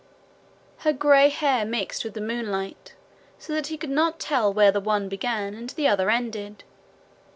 Her grey hair mixed with the moonlight so that he could not tell where the one began and the other ended.